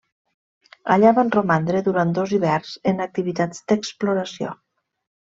Allà van romandre durant dos hiverns en activitats d'exploració.